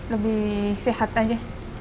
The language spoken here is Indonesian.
lebih sehat aja